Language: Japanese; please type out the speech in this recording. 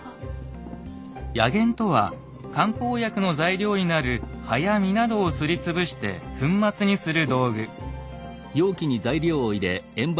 「薬研」とは漢方薬の材料になる葉や実などをすりつぶして粉末にする道具。